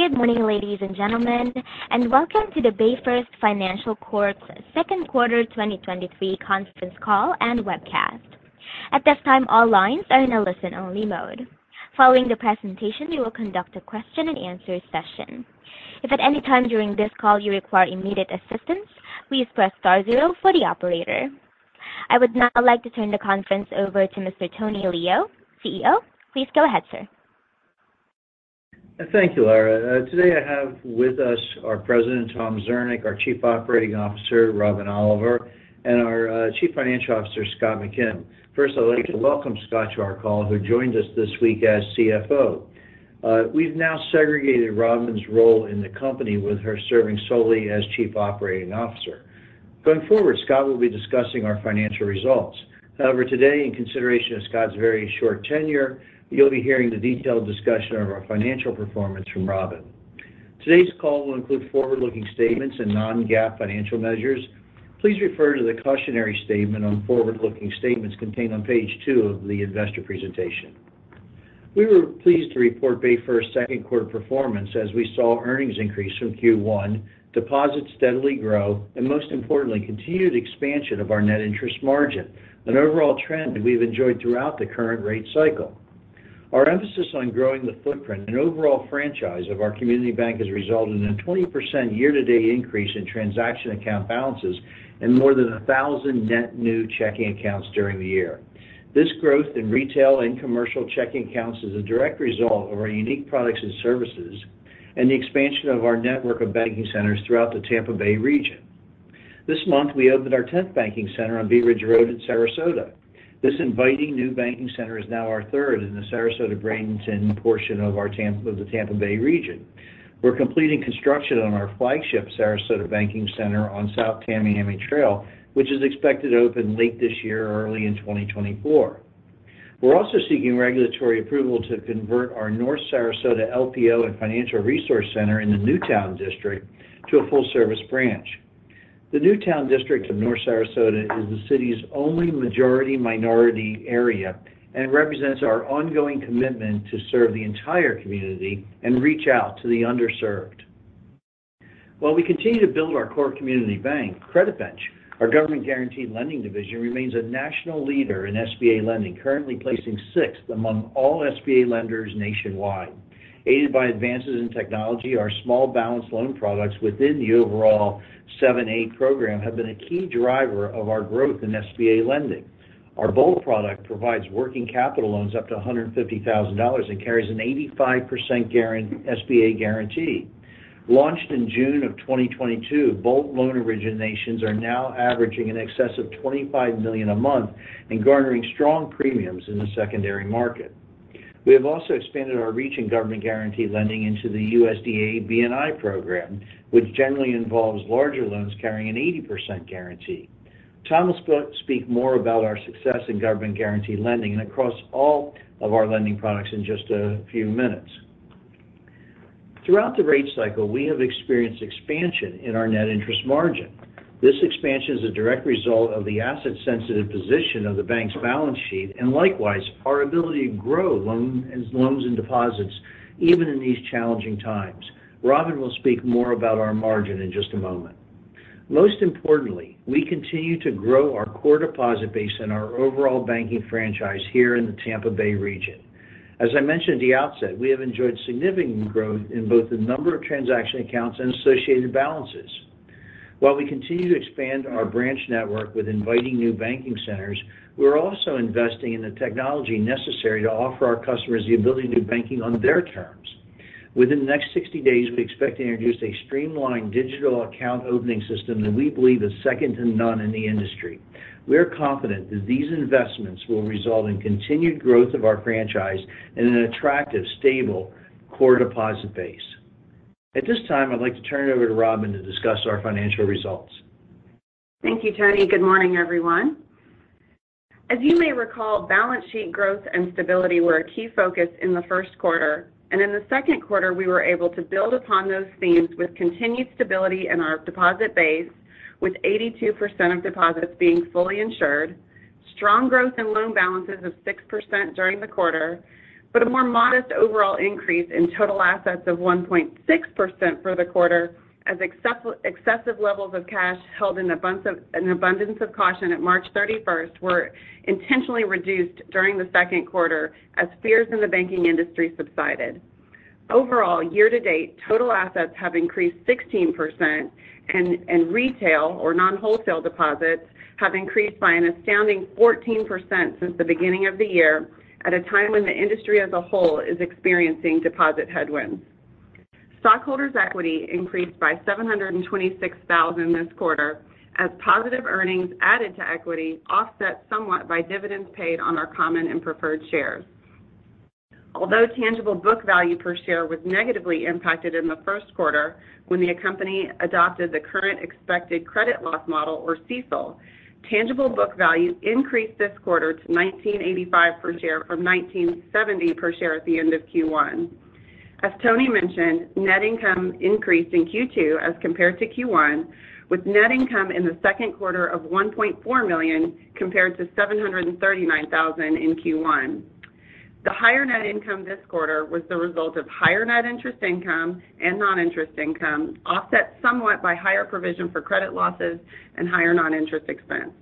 Good morning, ladies and gentlemen, and welcome to the BayFirst Financial Corp's second quarter 2023 conference call and webcast. At this time, all lines are in a listen-only mode. Following the presentation, we will conduct a question-and-answer session. If at any time during this call you require immediate assistance, please press star zero for the operator. I would now like to turn the conference over to Mr. Tony Leo, CEO. Please go ahead, sir. Thank you, Lara. Today I have with us our President, Tom Zernick, our Chief Operating Officer, Robin Oliver, and our Chief Financial Officer, Scott McKim. First, I'd like to welcome Scott to our call, who joins us this week as CFO. We've now segregated Robin's role in the company, with her serving solely as Chief Operating Officer. Going forward, Scott will be discussing our financial results. However, today, in consideration of Scott's very short tenure, you'll be hearing the detailed discussion of our financial performance from Robin. Today's call will include forward-looking statements and non-GAAP financial measures. Please refer to the cautionary statement on forward-looking statements contained on page two of the investor presentation. We were pleased to report BayFirst's second quarter performance, as we saw earnings increase from Q1, deposits steadily grow, and most importantly, continued expansion of our net interest margin, an overall trend we've enjoyed throughout the current rate cycle. Our emphasis on growing the footprint and overall franchise of our community bank has resulted in a 20% year-to-date increase in transaction account balances and more than 1,000 net new checking accounts during the year. This growth in retail and commercial checking accounts is a direct result of our unique products and services and the expansion of our network of banking centers throughout the Tampa Bay region. This month, we opened our 10th banking center on Bee Ridge Road in Sarasota. This inviting new banking center is now our third in the Sarasota-Bradenton portion of the Tampa Bay region. We're completing construction on our flagship Sarasota banking center on South Tamiami Trail, which is expected to open late this year or early in 2024. We're also seeking regulatory approval to convert our North Sarasota LPO and Financial Resource Center in the Newtown district to a full-service branch. The Newtown district of North Sarasota is the city's only majority-minority area. It represents our ongoing commitment to serve the entire community and reach out to the underserved. While we continue to build our core community bank, CreditBench, our government-guaranteed lending division, remains a national leader in SBA lending, currently placing 6th among all SBA lenders nationwide. Aided by advances in technology, our small balance loan products within the overall 7(a) program have been a key driver of our growth in SBA lending. Our Bolt product provides working capital loans up to $150,000 and carries an 85% SBA guarantee. Launched in June of 2022, Bolt loan originations are now averaging in excess of $25 million a month and garnering strong premiums in the secondary market. We have also expanded our reach in government-guaranteed lending into the USDA B&I program, which generally involves larger loans carrying an 80% guarantee. Tom will speak more about our success in government-guaranteed lending and across all of our lending products in just a few minutes. Throughout the rate cycle, we have experienced expansion in our net interest margin. This expansion is a direct result of the asset-sensitive position of the bank's balance sheet, and likewise, our ability to grow loans and deposits even in these challenging times. Robin will speak more about our margin in just a moment. Most importantly, we continue to grow our core deposit base and our overall banking franchise here in the Tampa Bay. As I mentioned at the outset, we have enjoyed significant growth in both the number of transaction accounts and associated balances. While we continue to expand our branch network with inviting new banking centers, we're also investing in the technology necessary to offer our customers the ability to do banking on their terms. Within the next 60 days, we expect to introduce a streamlined digital account opening system that we believe is second to none in the industry. We are confident that these investments will result in continued growth of our franchise and an attractive, stable core deposit base. At this time, I'd like to turn it over to Robin to discuss our financial results. Thank you, Tony. Good morning, everyone. As you may recall, balance sheet growth and stability were a key focus in the first quarter, and in the second quarter, we were able to build upon those themes with continued stability in our deposit base, with 82% of deposits being fully insured, strong growth in loan balances of 6% during the quarter, but a more modest overall increase in total assets of 1.6% for the quarter, as excessive levels of cash held in an abundance of caution at March 31st were intentionally reduced during the second quarter as fears in the banking industry subsided. Overall, year-to-date, total assets have increased 16%, and retail or non-wholesale deposits have increased by an astounding 14% since the beginning of the year, at a time when the industry as a whole is experiencing deposit headwinds. Stockholders' equity increased by $726,000 this quarter, as positive earnings added to equity, offset somewhat by dividends paid on our common and preferred shares. Although tangible book value per share was negatively impacted in the first quarter when the company adopted the current expected credit loss model, or CECL, tangible book value increased this quarter to $19.85 per share from $19.70 per share at the end of Q1. As Tony mentioned, net income increased in Q2 as compared to Q1, with net income in the second quarter of $1.4 million, compared to $739,000 in Q1. The higher net income this quarter was the result of higher net interest income and non-interest income, offset somewhat by higher provision for credit losses and higher non-interest expense.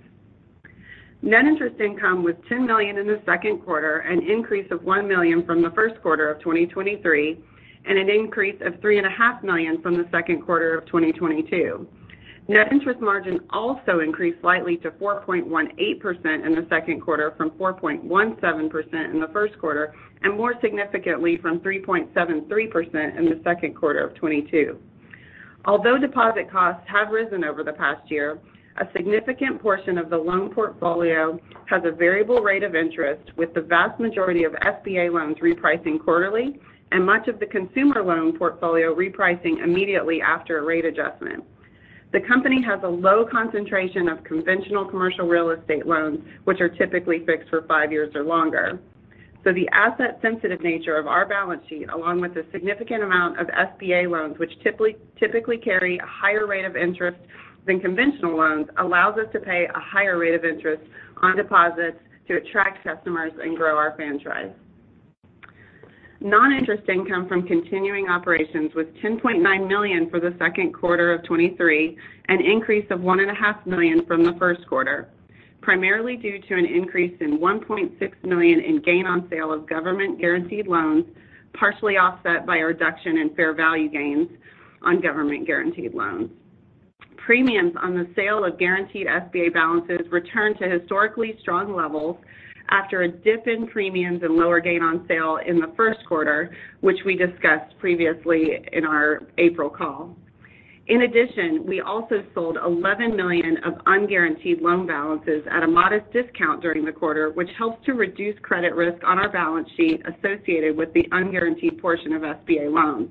Net interest income was $10 million in the second quarter, an increase of $1 million from the first quarter of 2023, and an increase of $3.5 million from the second quarter of 2022. Net interest margin also increased slightly to 4.18% in the second quarter from 4.17% in the first quarter, and more significantly from 3.73% in the second quarter of 2022. Although deposit costs have risen over the past year, a significant portion of the loan portfolio has a variable rate of interest, with the vast majority of SBA loans repricing quarterly and much of the consumer loan portfolio repricing immediately after a rate adjustment. The company has a low concentration of conventional commercial real estate loans, which are typically fixed for five years or longer. The asset-sensitive nature of our balance sheet, along with a significant amount of SBA loans, which typically carry a higher rate of interest than conventional loans, allows us to pay a higher rate of interest on deposits to attract customers and grow our franchise. Non-interest income from continuing operations was $10.9 million for the second quarter of 2023, an increase of $1.5 million from the first quarter, primarily due to an increase in $1.6 million in gain on sale of government guaranteed loans, partially offset by a reduction in fair value gains on government guaranteed loans. Premiums on the sale of guaranteed SBA balances returned to historically strong levels after a dip in premiums and lower gain on sale in the first quarter, which we discussed previously in our April call. In addition, we also sold $11 million of unguaranteed loan balances at a modest discount during the quarter, which helps to reduce credit risk on our balance sheet associated with the unguaranteed portion of SBA loans.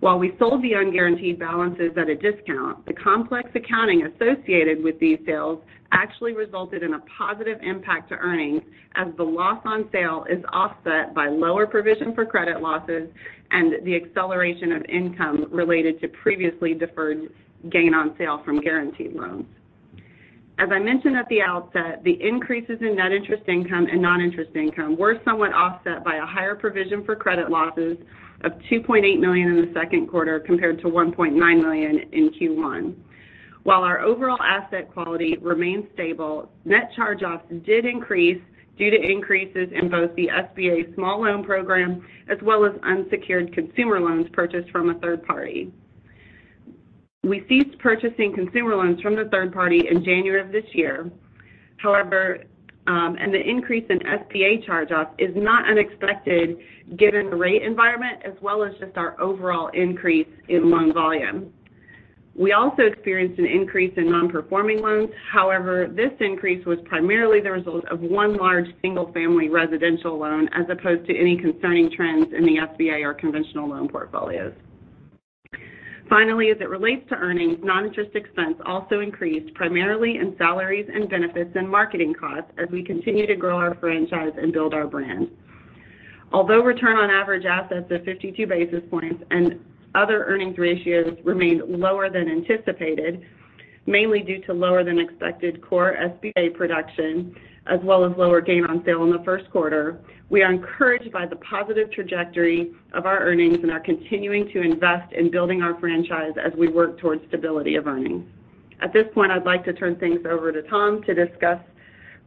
While we sold the unguaranteed balances at a discount, the complex accounting associated with these sales actually resulted in a positive impact to earnings, as the loss on sale is offset by lower provision for credit losses and the acceleration of income related to previously deferred gain on sale from guaranteed loans. As I mentioned at the outset, the increases in net interest income and non-interest income were somewhat offset by a higher provision for credit losses of $2.8 million in the second quarter, compared to $1.9 million in Q1. While our overall asset quality remained stable, net charge-offs did increase due to increases in both the SBA small loan program as well as unsecured consumer loans purchased from a third party. We ceased purchasing consumer loans from the third party in January of this year. However, and the increase in SBA charge-off is not unexpected given the rate environment, as well as just our overall increase in loan volume. We also experienced an increase in non-performing loans. However, this increase was primarily the result of one large single-family residential loan, as opposed to any concerning trends in the SBA or conventional loan portfolios. Finally, as it relates to earnings, non-interest expense also increased, primarily in salaries and benefits and marketing costs, as we continue to grow our franchise and build our brand. Although return on average assets of 52 basis points and other earnings ratios remained lower than anticipated, mainly due to lower than expected core SBA production as well as lower gain on sale in the first quarter, we are encouraged by the positive trajectory of our earnings and are continuing to invest in building our franchise as we work towards stability of earnings. At this point, I'd like to turn things over to Tom to discuss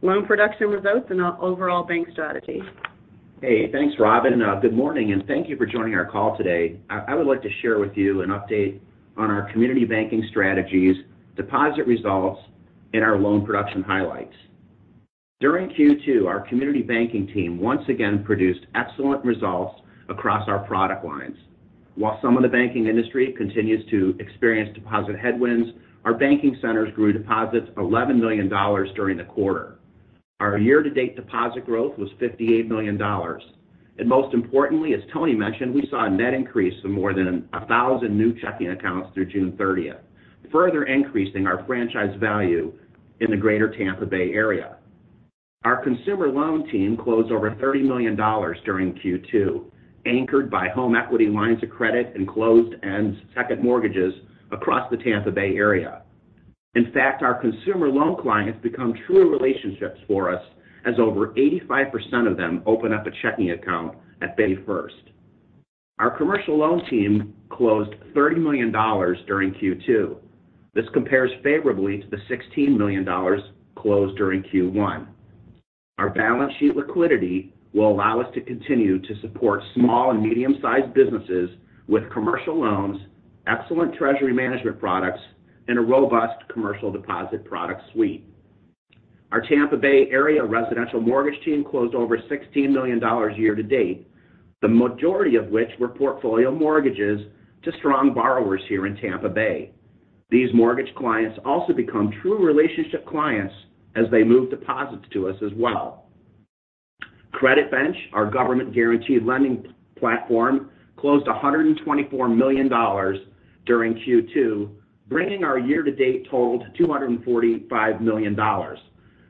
loan production results and our overall bank strategy. Hey, thanks, Robin. Good morning, thank you for joining our call today. I would like to share with you an update on our community banking strategies, deposit results, and our loan production highlights. During Q2, our community banking team once again produced excellent results across our product lines. While some of the banking industry continues to experience deposit headwinds, our banking centers grew deposits $11 million during the quarter. Our year-to-date deposit growth was $58 million. Most importantly, as Tony mentioned, we saw a net increase of more than 1,000 new checking accounts through June 30th, further increasing our franchise value in the greater Tampa Bay area. Our consumer loan team closed over $30 million during Q2, anchored by home equity lines of credit and closed and second mortgages across the Tampa Bay area. In fact, our consumer loan clients become true relationships for us, as over 85% of them open up a checking account at BayFirst. Our commercial loan team closed $30 million during Q2. This compares favorably to the $16 million closed during Q1. Our balance sheet liquidity will allow us to continue to support small and medium-sized businesses with commercial loans, excellent treasury management products, and a robust commercial deposit product suite. Our Tampa Bay area residential mortgage team closed over $16 million year-to-date, the majority of which were portfolio mortgages to strong borrowers here in Tampa Bay. These mortgage clients also become true relationship clients as they move deposits to us as well. CreditBench, our government-guaranteed lending platform, closed $124 million during Q2, bringing our year-to-date total to $245 million.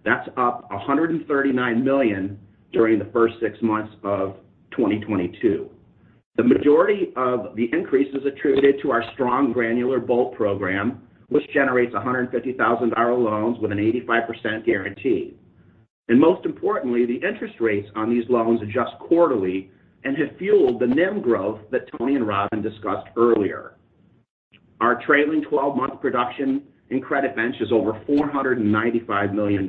That's up $139 million during the first six months of 2022. The majority of the increase is attributed to our strong granular Bolt program, which generates $150,000 loans with an 85% guarantee. Most importantly, the interest rates on these loans adjust quarterly and have fueled the NIM growth that Tony and Robin discussed earlier. Our trailing 12-month production in CreditBench is over $495 million.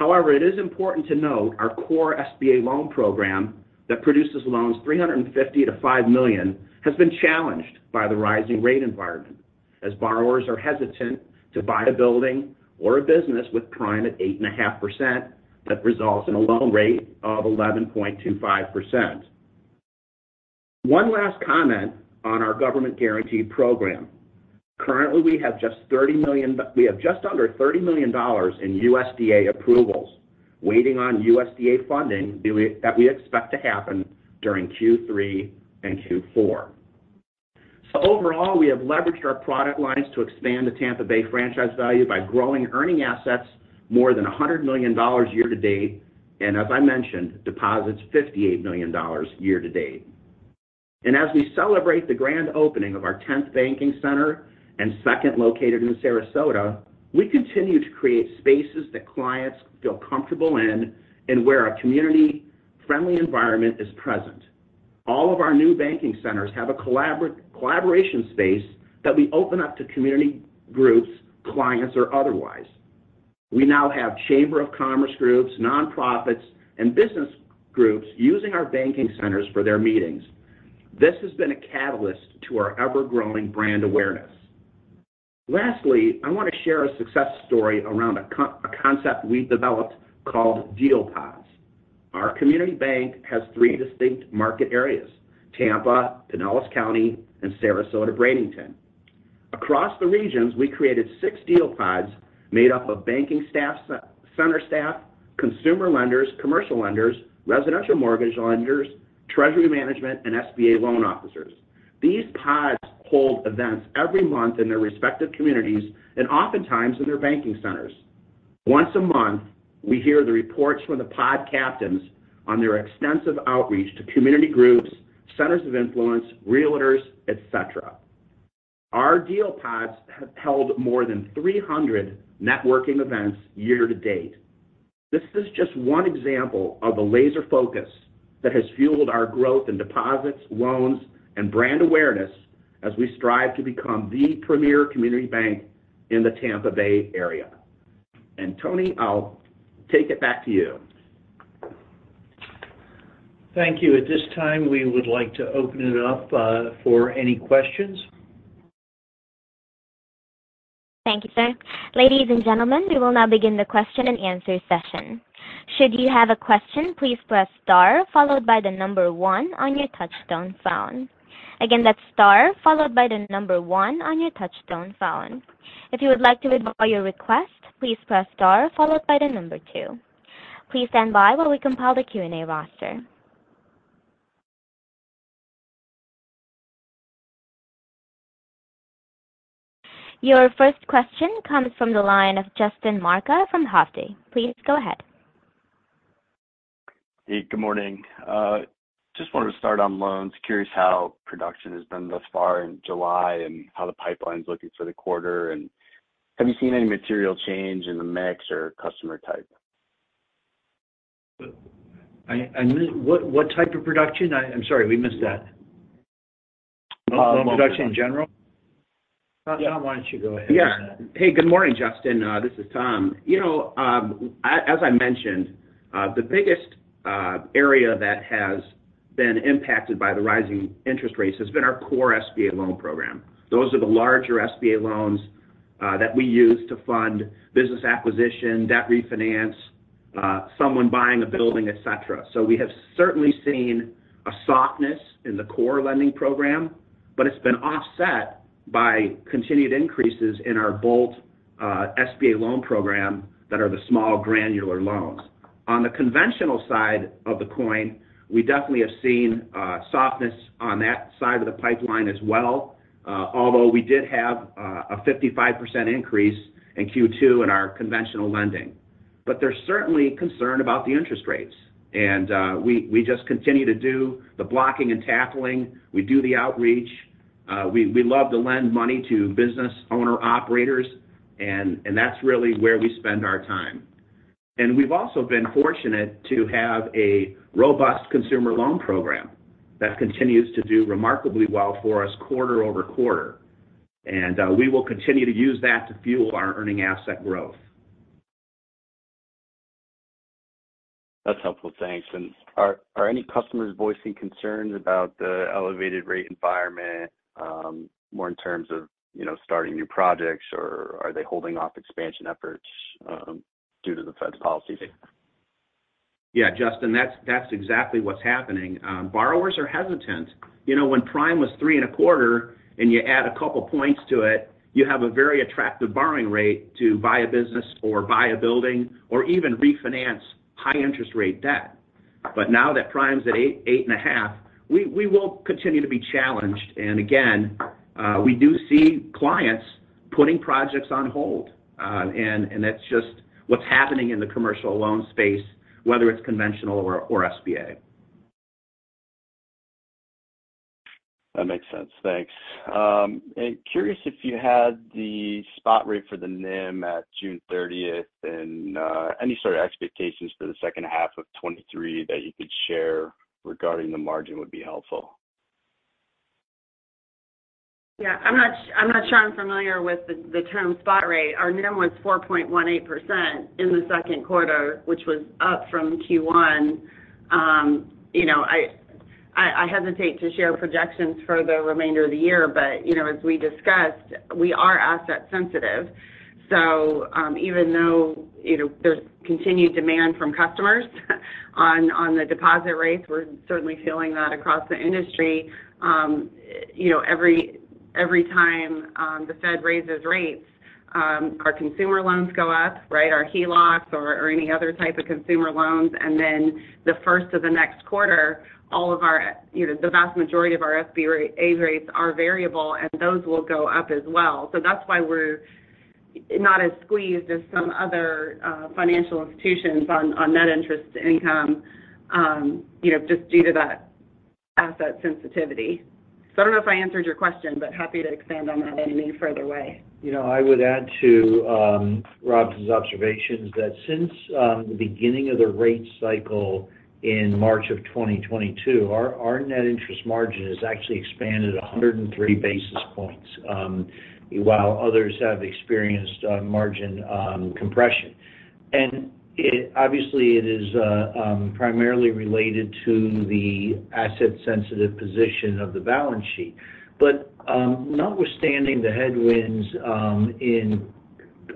It is important to note our core SBA loan program that produces loans $350,000-$5 million, has been challenged by the rising rate environment, as borrowers are hesitant to buy a building or a business with prime at 8.5%, that results in a loan rate of 11.25%. One last comment on our government guarantee program. Currently, we have just under $30 million in USDA approvals, waiting on USDA funding that we expect to happen during Q3 and Q4. Overall, we have leveraged our product lines to expand the Tampa Bay franchise value by growing earning assets more than $100 million year-to-date, As I mentioned, deposits $58 million year-to-date. As we celebrate the grand opening of our 10th banking center and second located in Sarasota, we continue to create spaces that clients feel comfortable in and where a community-friendly environment is present. All of our new banking centers have a collaboration space that we open up to community groups, clients, or otherwise. We now have chamber of commerce groups, nonprofits, and business groups using our banking centers for their meetings. This has been a catalyst to our ever-growing brand awareness. Lastly, I want to share a success story around a concept we developed called Deal Pods. Our community bank has three distinct market areas, Tampa, Pinellas County, and Sarasota, Bradenton. Across the regions, we created six Deal Pods made up of banking staff, center staff, consumer lenders, commercial lenders, residential mortgage lenders, treasury management, and SBA loan officers. These pods hold events every month in their respective communities and oftentimes in their banking centers. Once a month, we hear the reports from the pod captains on their extensive outreach to community groups, centers of influence, realtors, et cetera. Our Deal Pods have held more than 300 networking events year-to-date. This is just one example of a laser focus that has fueled our growth in deposits, loans, and brand awareness as we strive to become the premier community bank in the Tampa Bay area. Tony, I'll take it back to you. Thank you. At this time, we would like to open it up for any questions. Thank you, sir. Ladies and gentlemen, we will now begin the question and answer session. Should you have a question, please press star followed by the number one on your touchtone phone. Again, that's star followed by the number one on your touchtone phone. If you would like to withdraw your request, please press star followed by the number two. Please stand by while we compile the Q&A roster. Your first question comes from the line of Justin Marca from Hovde. Please go ahead. Hey, good morning. Just wanted to start on loans. Curious how production has been thus far in July and how the pipeline is looking for the quarter, and have you seen any material change in the mix or customer type? What type of production? I'm sorry, we missed that. Production in general. Tom, why don't you go ahead? Yeah. Hey, good morning, Justin. This is Tom. You know, as, as I mentioned, the biggest area that has been impacted by the rising interest rates has been our core SBA loan program. Those are the larger SBA loans that we use to fund business acquisition, debt refinance, someone buying a building, et cetera. We have certainly seen a softness in the core lending program, but it's been offset by continued increases in our Bolt SBA loan program that are the small granular loans. On the conventional side of the coin, we definitely have seen softness on that side of the pipeline as well, although we did have a 55% increase in Q2 in our conventional lending. There's certainly concern about the interest rates, and we just continue to do the blocking and tackling, we do the outreach. We love to lend money to business owner-operators, and that's really where we spend our time. We've also been fortunate to have a robust consumer loan program that continues to do remarkably well for us quarter-over-quarter, and we will continue to use that to fuel our earning asset growth. That's helpful, thanks. Are, are any customers voicing concerns about the elevated rate environment, more in terms of, you know, starting new projects, or are they holding off expansion efforts, due to the Fed's policies? Yeah, Justin, that's, that's exactly what's happening. Borrowers are hesitant. You know, when prime was 3.25% and you add a couple points to it, you have a very attractive borrowing rate to buy a business or buy a building, or even refinance high interest rate debt. Now that prime's at 8%, 8.5%, we, we will continue to be challenged. Again, we do see clients-putting projects on hold. And that's just what's happening in the commercial loan space, whether it's conventional or, or SBA. That makes sense. Thanks. Curious if you had the spot rate for the NIM at June 30th, any sort of expectations for the second half of 2023 that you could share regarding the margin would be helpful. Yeah, I'm not sure I'm familiar with the, the term spot rate. Our NIM was 4.18% in the second quarter, which was up from Q1. You know, I, I, I hesitate to share projections for the remainder of the year, but, you know, as we discussed, we are asset sensitive. So, even though, you know, there's continued demand from customers, on, on the deposit rates, we're certainly feeling that across the industry. You know, every, every time, the Fed raises rates, our consumer loans go up, right? Our HELOCs or, or any other type of consumer loans, and then the first of the next quarter, all of our, you know, the vast majority of our SBA rates are variable, and those will go up as well. That's why we're not as squeezed as some other financial institutions on, on net interest income, you know, just due to that asset sensitivity. I don't know if I answered your question, but happy to expand on that in any further way. You know, I would add to Robin's observations that since the beginning of the rate cycle in March of 2022, our net interest margin has actually expanded 103 basis points, while others have experienced margin compression. Obviously, it is primarily related to the asset-sensitive position of the balance sheet. Notwithstanding the headwinds in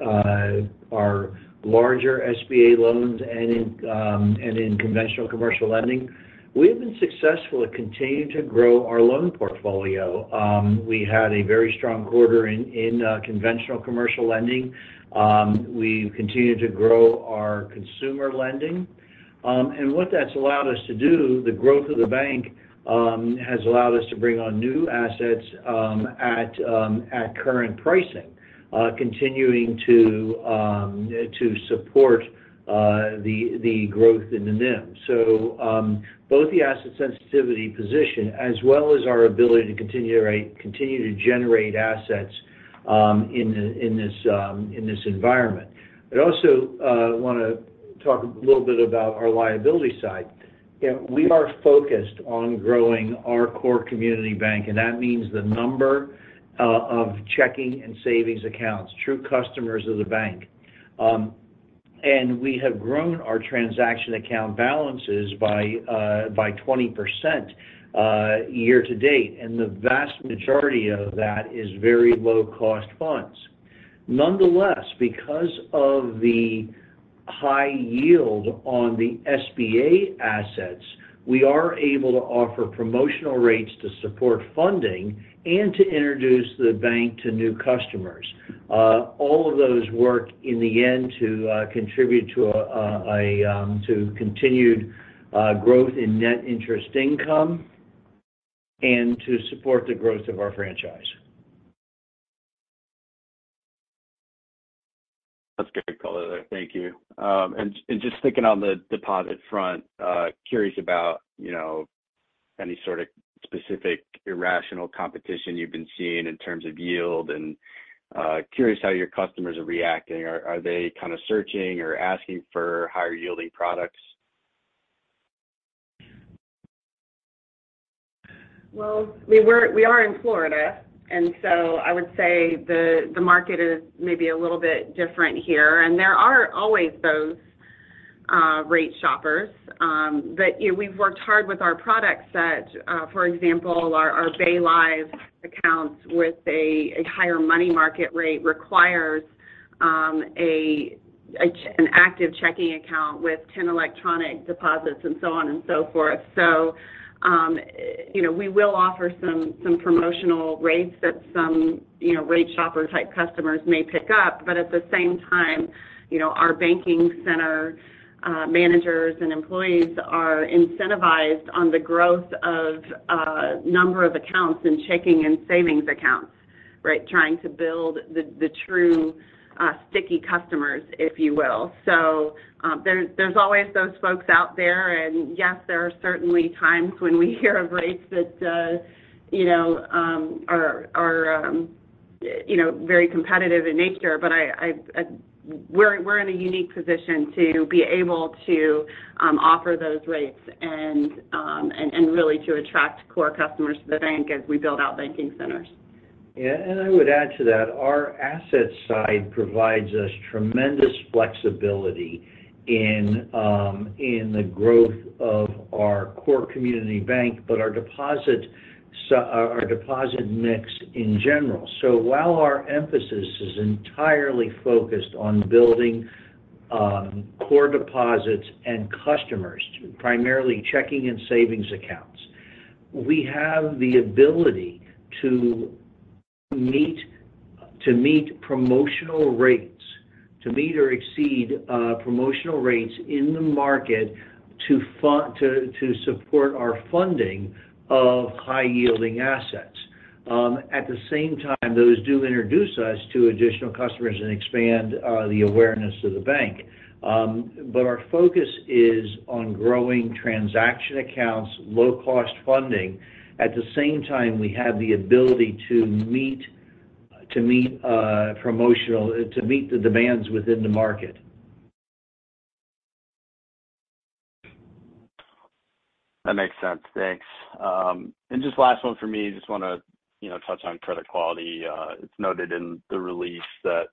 our larger SBA loans and in conventional commercial lending, we've been successful at continuing to grow our loan portfolio. We had a very strong quarter in conventional commercial lending. We've continued to grow our consumer lending. What that's allowed us to do, the growth of the bank, has allowed us to bring on new assets at current pricing, continuing to support the growth in the NIM. Both the asset sensitivity position as well as our ability to continue to generate assets in this environment. I also want to talk a little bit about our liability side. You know, we are focused on growing our core community bank, and that means the number of checking and savings accounts, true customers of the bank. We have grown our transaction account balances by 20% year-to-date, and the vast majority of that is very low-cost funds. Nonetheless, because of the high yield on the SBA assets, we are able to offer promotional rates to support funding and to introduce the bank to new customers. All of those work in the end to contribute to continued growth in net interest income and to support the growth of our franchise. That's great, color. Thank you. Just sticking on the deposit front, curious about, you know, any sort of specific irrational competition you've been seeing in terms of yield. Curious how your customers are reacting. Are they kind of searching or asking for higher-yielding products? Well, we are in Florida, and so I would say the, the market is maybe a little bit different here, and there are always those rate shoppers. You know, we've worked hard with our product set. For example, our BayLive accounts with a higher money market rate requires an active checking account with 10 electronic deposits and so on and so forth. You know, we will offer some promotional rates that some, you know, rate shopper-type customers may pick up, but at the same time, you know, our banking center managers and employees are incentivized on the growth of number of accounts in checking and savings accounts, right? Trying to build the true sticky customers, if you will. There's, there's always those folks out there, and yes, there are certainly times when we hear of rates that, you know, are, are, you know, very competitive in nature. We're, we're in a unique position to be able to offer those rates and, and, and really to attract core customers to the bank as we build out banking centers. Yeah, I would add to that, our asset side provides us tremendous flexibility in, in the growth of our core community bank, but our deposit mix in general. While our emphasis is entirely focused on building, core deposits and customers, primarily checking and savings accounts, we have the ability to meet or exceed, promotional rates in the market to support our funding of high-yielding assets. At the same time, those do introduce us to additional customers and expand, the awareness of the bank. Our focus is on growing transaction accounts, low-cost funding. At the same time, we have the ability to meet the demands within the market. That makes sense. Thanks. Just last one for me. Just wanna, you know, touch on credit quality. It's noted in the release that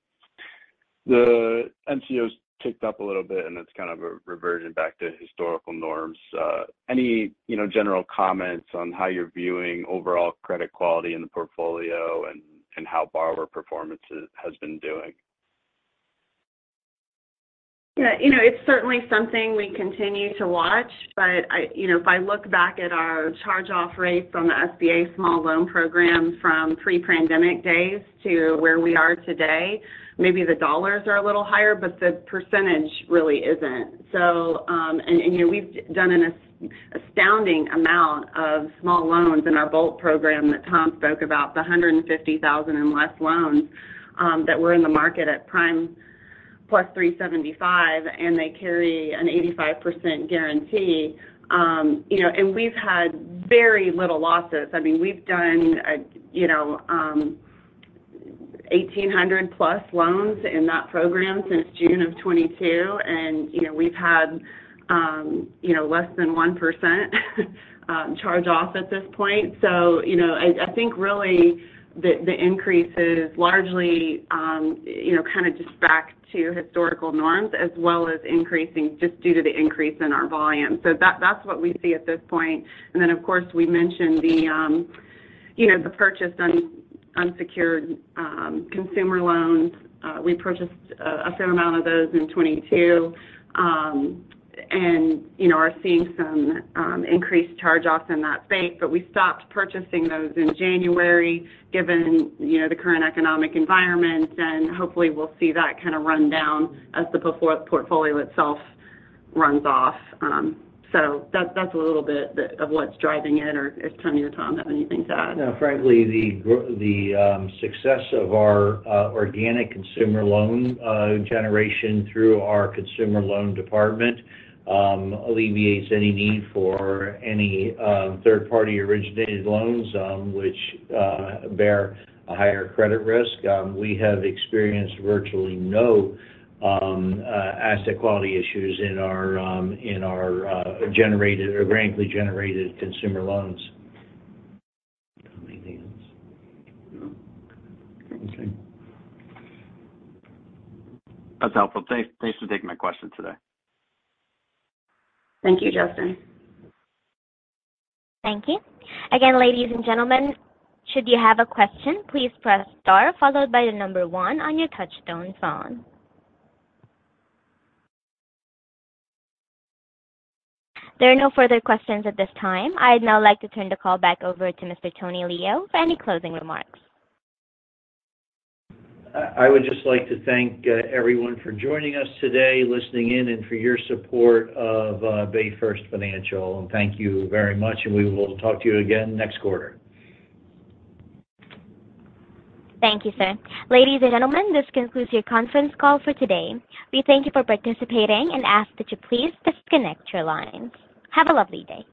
the NCOs ticked up a little bit, and it's kind of a reversion back to historical norms. Any, you know, general comments on how you're viewing overall credit quality in the portfolio and, and how borrower performance has, has been doing? Yeah, you know, it's certainly something we continue to watch, but I—you know, if I look back at our charge-off rates on the SBA small loan program from pre-pandemic days to where we are today, maybe the dollars are a little higher, but the percentage really isn't. And, you know, we've done an astounding amount of small loans in our Bolt program that Tom spoke about, the $150,000 and less loans, that were in the market at prime + 3.75%, and they carry an 85% guarantee. You know, and we've had very little losses. I mean, we've done, you know, 1,800+ loans in that program since June of 2022, and, you know, we've had, you know, less than 1% charge-off at this point. You know, I, I think really the, the increase is largely, you know, kinda just back to historical norms, as well as increasing just due to the increase in our volume. That's what we see at this point. Then, of course, we mentioned the, you know, the purchase on unsecured, consumer loans. We purchased a, a fair amount of those in 2022. You know, are seeing some increased charge-offs in that space, but we stopped purchasing those in January, given, you know, the current economic environment. Hopefully, we'll see that kinda run down as the portfolio itself runs off. That's, that's a little bit of what's driving it. If Tony or Tom have anything to add. No, frankly, the the success of our organic consumer loan generation through our consumer loan department alleviates any need for any third-party originated loans, which bear a higher credit risk. We have experienced virtually no asset quality issues in our in our generated or organically generated consumer loans. Anything else? No. Okay. That's helpful. Thanks. Thanks for taking my questions today. Thank you, Justin. Thank you. Again, ladies and gentlemen, should you have a question, please press star followed by the number one on your touchtone phone. There are no further questions at this time. I'd now like to turn the call back over to Mr. Tony Leo for any closing remarks. I, I would just like to thank everyone for joining us today, listening in, and for your support of BayFirst Financial. Thank you very much, and we will talk to you again next quarter. Thank you, sir. Ladies and gentlemen, this concludes your conference call for today. We thank you for participating and ask that you please disconnect your lines. Have a lovely day.